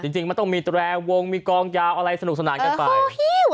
จริงมันต้องมีแตรวงมีกองยาวอะไรสนุกสนานกันไป